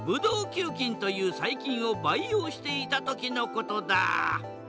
球菌という細菌を培養していた時のことだ。